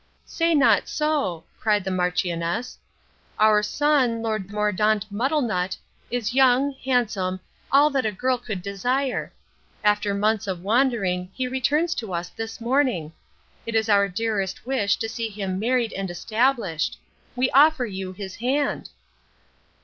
"Say not so," cried the Marchioness. "Our son, Lord Mordaunt Muddlenut, is young, handsome, all that a girl could desire. After months of wandering he returns to us this morning. It is our dearest wish to see him married and established. We offer you his hand."